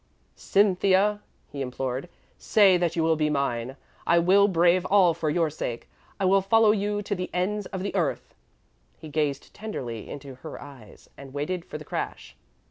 "Cynthia," he implored, "say that you will be mine, and I will brave all for your sake. I will follow you to the ends of the earth." He gazed tenderly into her eyes, and waited for the crash.